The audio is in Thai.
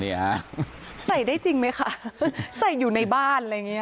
ฮะใส่ได้จริงไหมคะใส่อยู่ในบ้านอะไรอย่างเงี้